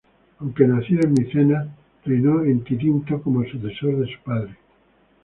Aunque nacido en Micenas, reinó en Tirinto como sucesor de su padre.